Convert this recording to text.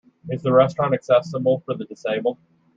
Is the restaurant accessible for the disabled?